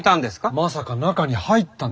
まさか中に入ったんですか？